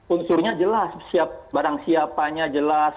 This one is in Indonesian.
unsurnya jelas barang siapanya jelas